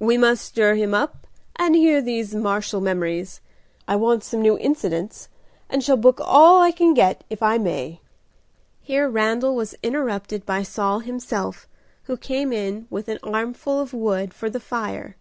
"We must stir him up and hear these martial memories. I want some new incidents, and shall book all I can get, if I may." Here Randal was interrupted by Saul himself, who came in with an armful of wood for the fire.